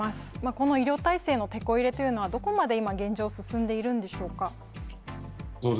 この医療体制のテコ入れというのは、どこまで今、現状、進んでいるんでしょうか。